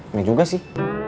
iya juga sih